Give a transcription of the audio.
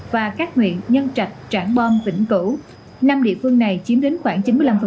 và các nguyện nhân trạch trản bom tỉnh cửu năm địa phương này chiếm đến khoảng chín mươi năm